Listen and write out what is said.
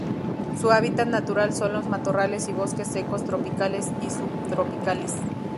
Su hábitat natural son los matorrales y bosques secos tropicales y subtropicales.